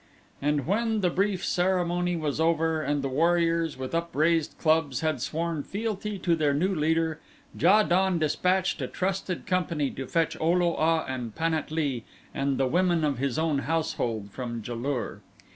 And when the brief ceremony was over and the warriors with upraised clubs had sworn fealty to their new ruler, Ja don dispatched a trusted company to fetch O lo a and Pan at lee and the women of his own household from Ja lur.